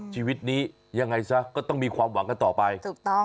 ชีวิตนี้ยังไงซะก็ต้องมีความหวังกันต่อไปถูกต้อง